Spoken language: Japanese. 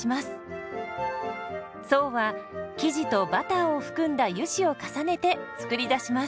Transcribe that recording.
層は生地とバターを含んだ油脂を重ねて作り出します。